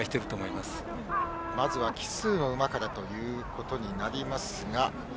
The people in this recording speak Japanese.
まずは奇数の馬からということになりますが。